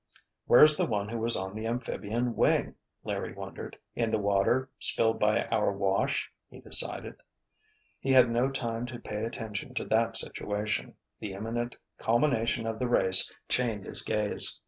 "Where's the one who was on the amphibian wing?" Larry wondered. "In the water, spilled by our wash," he decided. He had no time to pay attention to that situation. The imminent culmination of the race chained his gaze.